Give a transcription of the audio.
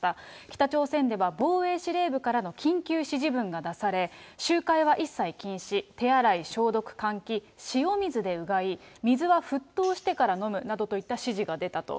北朝鮮では防衛司令部からの緊急指示文が出され、集会は一切禁止、手洗い、消毒、換気、塩水でうがい、水は沸騰してから飲むなどといった指示が出たと。